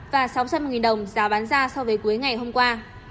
và sáu trăm linh đồng giá bán ra so với cuối ngày hôm qua